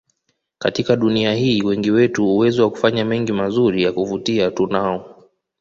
Katika dunia hii wengi wetu uwezo wa kufanya mengi mazuri ya kuvutia tunao